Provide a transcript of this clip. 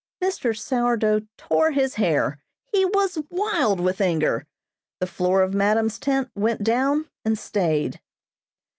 Mr. Sourdough tore his hair. He was wild with anger. The floor of madam's tent went down and stayed.